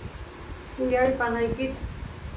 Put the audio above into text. suyay panaykit